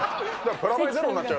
プラマイゼロになっちゃう。